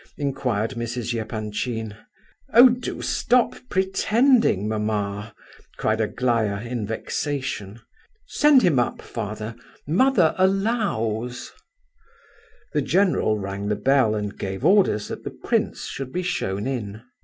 inquired Mrs. Epanchin. "Oh, do stop pretending, mamma," cried Aglaya, in vexation. "Send him up, father; mother allows." The general rang the bell and gave orders that the prince should be shown in.